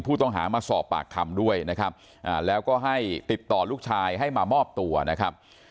ผู้ต้องหามาสอบปากคำด้วยนะครับแล้วก็ให้ติดต่อลูกชายให้มามอบตัวนะครับ